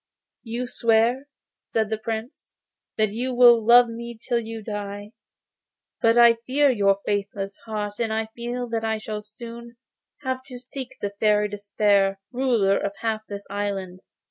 'You swear,' said the Prince, 'that you will love me till you die, but I fear your faithless heart, and I feel that I shall soon have to seek the Fairy Despair, ruler of half this island.